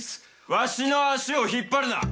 わしの足を引っ張るな！